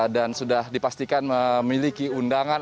sudah dipastikan memiliki undangan